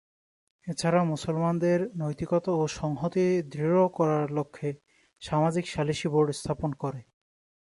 এছাড়া মুসলমানদের নৈতিকতা ও সংহতি দৃঢ় করার লক্ষ্যে সামাজিক সালিশি বোর্ড স্থাপন করে।